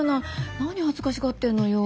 何恥ずかしがってんのよ。